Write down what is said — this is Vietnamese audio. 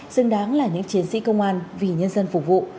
xứng đáng là những chiến sĩ công an vì nhân dân phục vụ